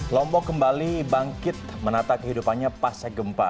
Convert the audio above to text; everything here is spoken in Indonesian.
lombok kembali bangkit menata kehidupannya pasca gempa